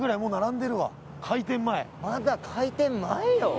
まだ開店前よ